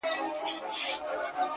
دا نعمت خو د ګیدړ دی چي یې وخوري٫